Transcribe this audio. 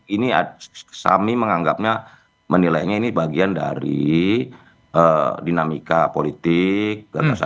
ini kami menganggapnya menilainya ini bagian dari dinamika politik